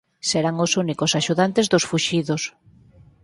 Serán os únicos axudantes dos fuxidos.